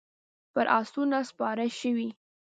پر اسونو سپارې شوې.